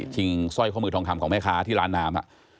สร้อยข้อมือทองคำของแม่ค้าที่ร้านน้ำ